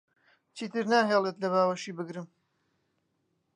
چیتر ناهێڵێت لە باوەشی بگرم.